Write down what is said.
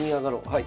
はい。